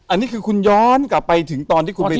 อันนี้คือคุณย้อนกลับไปถึงขวานที่คุณทุกษาน